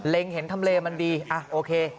เห็นทำเลมันดีอ่ะโอเค